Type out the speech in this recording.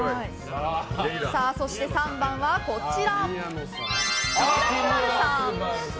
そして３番は、木村昴さん。